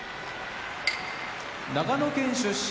長野県出身